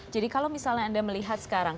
jadi kalau misalnya anda melihat sekarang